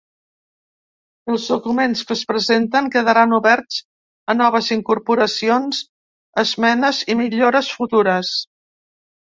Els documents que es presenten quedaran oberts a noves incorporacions, esmenes i millores futures.